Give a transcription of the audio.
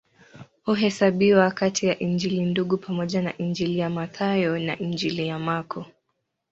Huhesabiwa kati ya Injili Ndugu pamoja na Injili ya Mathayo na Injili ya Marko.